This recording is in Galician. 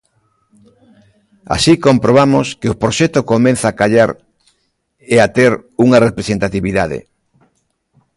Así comprobamos que o proxecto comeza a callar e a ter unha representatividade.